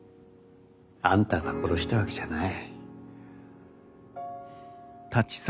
あんたが殺したわけじゃない。